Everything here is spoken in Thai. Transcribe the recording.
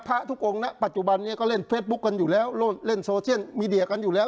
พระทุกองค์นะปัจจุบันนี้ก็เล่นเฟซบุ๊คกันอยู่แล้วเล่นโซเชียลมีเดียกันอยู่แล้ว